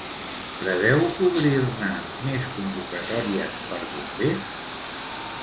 Preveu obrir-ne més convocatòries per bombers?